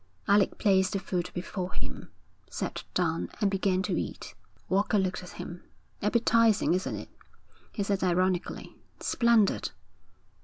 Alec placed the food before him, sat down, and began to eat. Walker looked at him. 'Appetising, isn't it?' he said ironically. 'Splendid!'